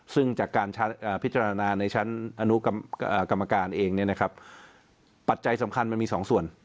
ซึ่งจากการพิจารณาในชั้นอนุกรรมการเองปัจจัยสำคัญมันมี๒ส่วน